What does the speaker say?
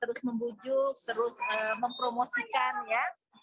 terus membujuk terus mempromosikan ya